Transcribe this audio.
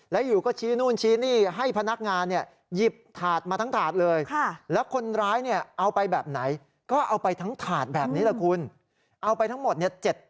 แล้วอยู่ก็ชี้นู่นชี้นี่ให้พนักงานเนี่ย